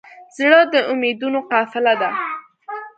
زړه د امیدونو قافله ده.